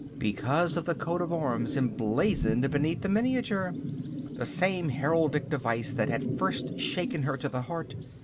Because of the Coat of Arms emblazoned beneath the miniature. The same heraldic design that had first shaken her to the heart.